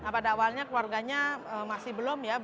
pada awalnya keluarganya masih belum ya